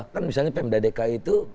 kan misalnya pm dadeka itu